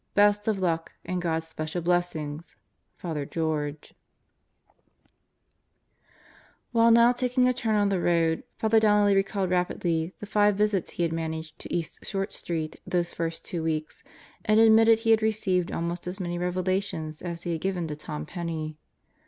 Best of luck and God's special blessings, Father George." While now taking a turn on the road, Father Donnelly recalled rapidly the five visits he had managed to East Short Street those first two weeks and admitted he had received almost as many revelations as he had given to Tom Penney.